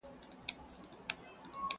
چي کورونا دی که کورونا ده!